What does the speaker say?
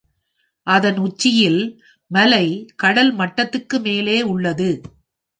அதன் உச்சியில் மலை கடல் மட்டத்திற்கு மேலே உள்ளது.